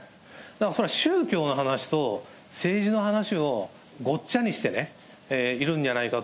だからそれは宗教の話と政治の話をごっちゃにしているじゃないか